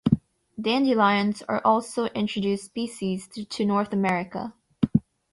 Dandelions are also introduced species to North America.